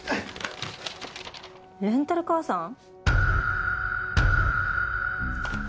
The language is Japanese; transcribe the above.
「レンタル母さん」？